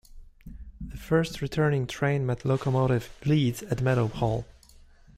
The first returning train met locomotive "Leeds" at Meadow Hall.